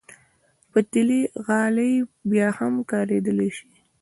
پتېلي غالۍ بیا هم کارېدلی شي.